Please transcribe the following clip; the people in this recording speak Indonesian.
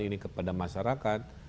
ini kepada masyarakat